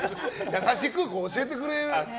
優しく教えてくれる。